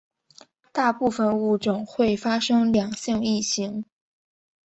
大部份物种会发生两性异形。